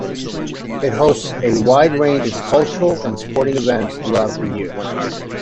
It hosts a wide range of cultural and sporting events throughout the year.